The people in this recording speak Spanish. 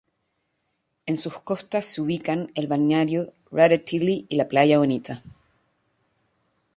En sus costas se ubican el balneario Rada Tilly y la playa Bonita.